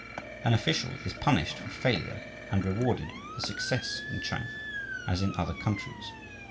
An official is punished for failure and rewarded for success in China, as in other countries.